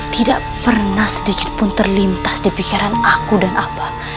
tidak pernah sedikit pun terlintas di pikiran aku dan abah